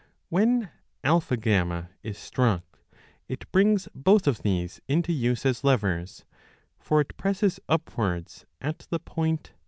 When AT is struck it brings both of these into use as levers ; for it presses upwards at the point B.